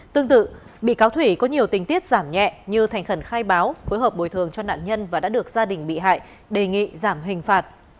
tương tự bị cáo thủy có nhiều tình tiết giảm nhẹ như thành khẩn khai báo phối hợp bồi thường cho nạn nhân và đã được gia đình bị hại đề nghị giảm hình phạt